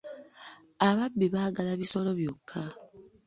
Ababbi baagala bisolo byokka.